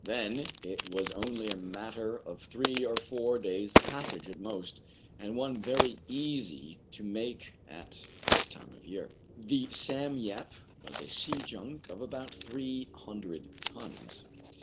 Then it was only a mat ter of three or four days' passage at most, and one very easy to make at that time of year. The "Sam Yep" was a sea junk of about three hundred tons.